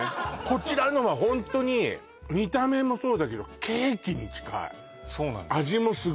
こちらのはホントに見た目もそうだけどケーキに近いそうなんです